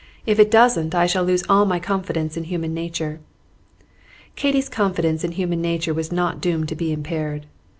"If it doesn't, I shall lose all my confidence in human nature." Katy's confidence in human nature was not doomed to be impaired.